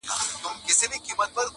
سر له کتابه کړه راپورته!.